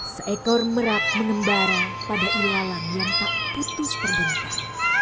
seekor merak mengembara pada ilalam yang tak putus perdentan